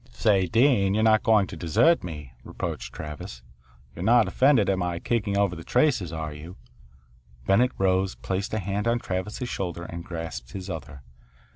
"Say' Dean, you're not going to desert me?" reproached Travis. "You're not offended at my kicking over the traces, are you?" Bennett rose, placed a hand on Travis's shoulder, and grasped his other.